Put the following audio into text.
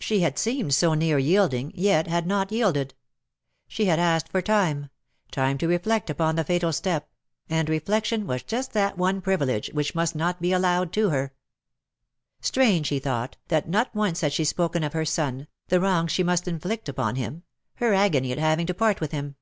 She had seemed so near yielding, yet had not yielded. She had asked for time — time to reflect upon the fatal step — and reflection was just that one privilege which must not be allowed to her. Strange, he thought^ that not once had she spoken of her son, the wrong she must inflict upon him, her agony at having to part with him.